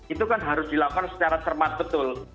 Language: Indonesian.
itu kan harus dilakukan secara cermat betul